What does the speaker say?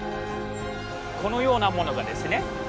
このようなものがですね